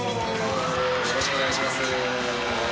・よろしくお願いします。